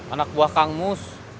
anak buah kang mus